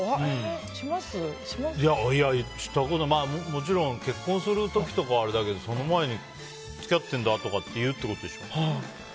もちろん結婚する時とかはあれだけどその前に付き合っているんだとかって言うってことでしょ。